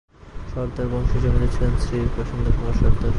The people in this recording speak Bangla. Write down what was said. সর্দার বংশের জমিদার ছিলেন শ্রী প্রসন্ন কুমার সর্দার।